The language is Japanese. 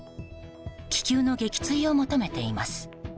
気球の撃墜を求めています。